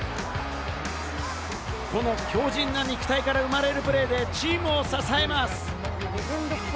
この強靭な肉体から生まれるプレーでチームを支えます。